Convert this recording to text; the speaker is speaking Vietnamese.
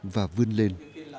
và vươn lên